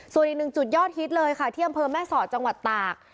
ส่วนอีกหนึ่งจุดยอดฮิตเลยค่ะที่อำเภอแม่สอดจังหวัดตาก